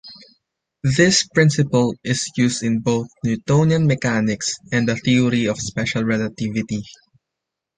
This principle is used in both Newtonian mechanics and the theory of special relativity.